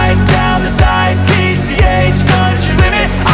ibu ingin mencoba